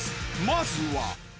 ［まずは］